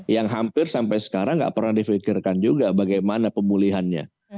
yang hampir sampai sekarang gak pernah di pikirkan juga bagaimana pemulihannya